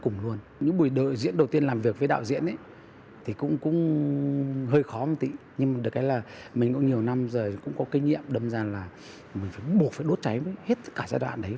nhưng mà được cái là mình cũng nhiều năm rồi cũng có kinh nghiệm đâm ra là mình phải buộc phải đốt cháy hết tất cả giai đoạn đấy